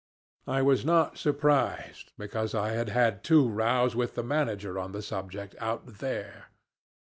I was not surprised, because I had had two rows with the manager on the subject out there.